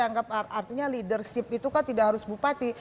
anggap artinya leadership itu kan tidak harus bupati